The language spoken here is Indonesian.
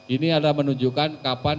ini adalah menunjukkan kapan